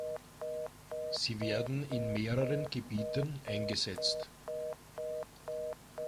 Sie werden in mehreren Gebieten eingesetzt.